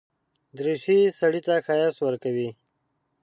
دریشي سړي ته ښايست ورکوي.